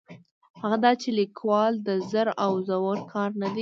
هغه دا چې لیکوالي د زر او زور کار نه دی.